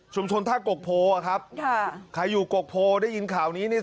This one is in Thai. ท่ากกโพอ่ะครับค่ะใครอยู่กกโพได้ยินข่าวนี้เนี่ย